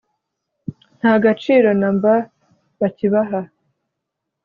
nta gaciro na mba bakibaha